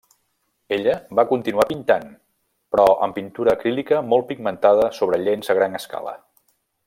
Ella va continuar pintant, però amb pintura acrílica molt pigmentada sobre llenç a gran escala.